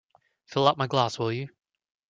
Fill up my glass, will you?